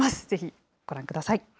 ぜひご覧ください。